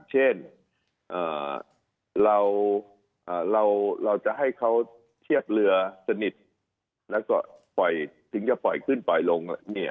เช่นเราจะให้เขาเทียบเรือสนิทแล้วก็ถึงจะปล่อยขึ้นปล่อยลง